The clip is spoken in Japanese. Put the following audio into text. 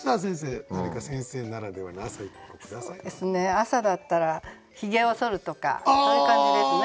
「朝」だったら「ひげをそる」とかそういう感じですね。